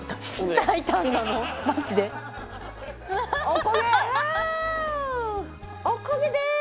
おこげです！